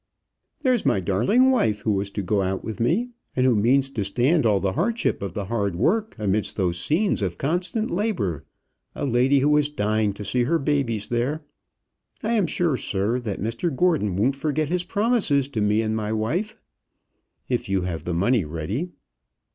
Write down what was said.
"There's my darling wife, who is going out with me, and who means to stand all the hardship of the hard work amidst those scenes of constant labour, a lady who is dying to see her babies there. I am sure, sir, that Mr Gordon won't forget his promises to me and my wife." "If you have the money ready."